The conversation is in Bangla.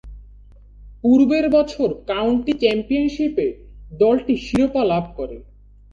পূর্বের বছর কাউন্টি চ্যাম্পিয়নশীপে দলটি শিরোপা লাভ করে।